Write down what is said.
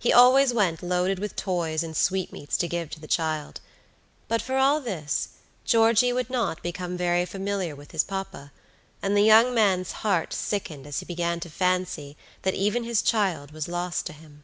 He always went loaded with toys and sweetmeats to give to the child; but, for all this, Georgey would not become very familiar with his papa, and the young man's heart sickened as he began to fancy that even his child was lost to him.